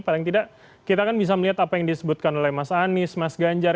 paling tidak kita kan bisa melihat apa yang disebutkan oleh mas anies mas ganjar